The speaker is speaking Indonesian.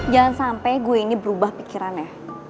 jangan sampai gue ini berubah pikirannya